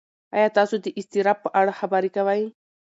ایا تاسو د اضطراب په اړه خبرې کوئ؟